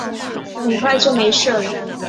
很快就没事了